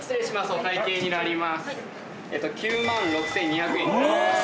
お会計になります。